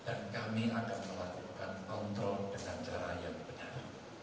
dan kami akan melakukan kontrol dengan cara yang benar